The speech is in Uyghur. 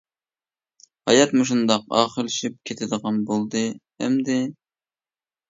ھايات مۇشۇنداق ئاخىرلىشىپ كېتىدىغان بولدى ئەمدى.